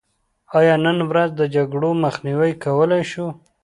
آیا نن ورځ د جګړو مخنیوی کولی شو؟